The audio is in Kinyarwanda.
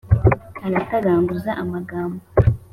aratagaguza amagambo.